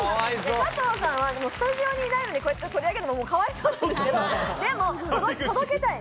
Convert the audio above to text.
佐藤さんはスタジオにいないので取り上げるのもかわいそうなんですけど、届けたい。